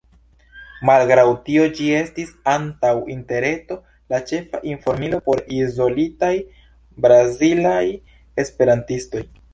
Malgraŭ tio ĝi estis antaŭ Interreto la ĉefa informilo por izolitaj brazilaj esperantistoj.